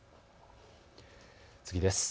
次です。